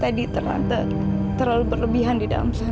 tentang minta maaf ya tante terlalu berebihan di dalam sana